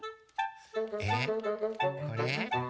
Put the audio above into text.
えっこれ？